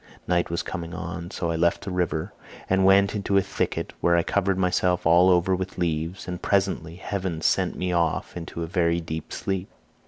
Night was coming on, so I left the river, and went into a thicket, where I covered myself all over with leaves, and presently heaven sent me off into a very deep sleep.